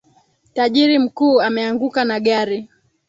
Tajiri mkuu ameanguka na gari